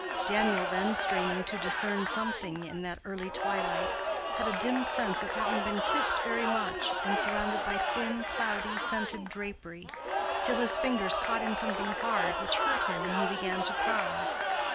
Daniel then straining to discern something in that early twilight, had a dim sense of having been kissed very much, and surrounded by thin, cloudy, scented drapery, till his fingers caught in something hard, which hurt him, and he began to cry.